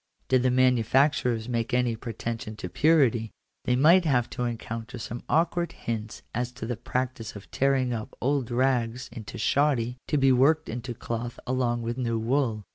Did the manufacturers make any pretension to purity, they might have to encounter some awkward hints as to the practice of tearing up old rags into shoddy to be worked into cloth along with new wool.